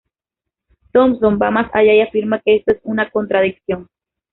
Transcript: Thomson va más allá y afirma que esto es una contradicción.